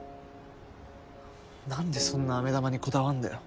何でそんな飴玉にこだわるんだよ。